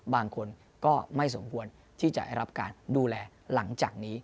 บางคนก็ไม่สมควรที่จะได้รับการดูแลหลังจากนี้